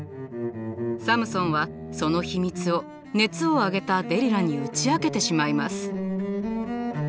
サムソンはその秘密を熱を上げたデリラに打ち明けてしまいます。